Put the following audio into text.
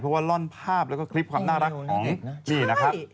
เพราะว่าล่อนภาพแล้วก็คลิปความน่ารักของนี่นะครับ